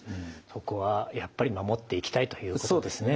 そこはやっぱり守っていきたいということですね。